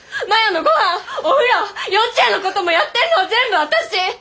摩耶のごはんお風呂幼稚園のこともやってんのは全部私！